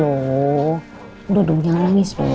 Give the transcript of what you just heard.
udah dong jangan nangis dong